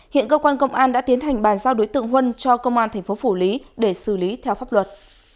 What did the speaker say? hiện cơ quan công an đã tiến hành bàn giao đối tượng huân cho công an thành phố phủ lý để xử lý theo pháp luật